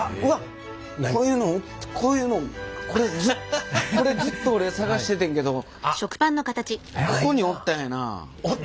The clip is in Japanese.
こういうのこういうのこれこれずっと俺探しててんけど「おったんやな」。